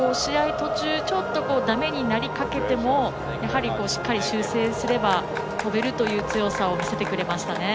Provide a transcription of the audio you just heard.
途中ちょっとだめになりかけてもやはりしっかり修正すれば跳べるという強さを見せてくれましたね。